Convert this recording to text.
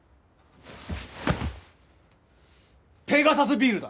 ペガサスビールだ。